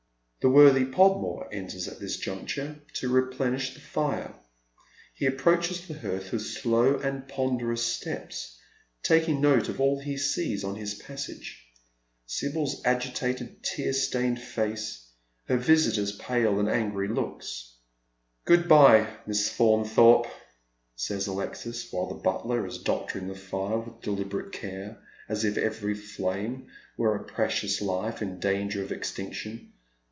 The worthy Podmore enters at this juncture to replenish the fire. He approaches the hearth with slow and ponderous steps, taking note of all he sees on his passage, Sibyl's a^tated, tear ■tained face, her visitor's pale and angry looks. " Good bye, Miss Faunthorpe," says Alexis, while the butler is doctoring the fire with deliberate care, as if every flame were a precious life in danger of extinction.